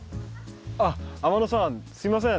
あっ天野さんすみません。